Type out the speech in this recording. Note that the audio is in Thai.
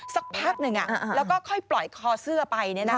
สักพักหนึ่งแล้วก็ค่อยปล่อยคอเสื้อไป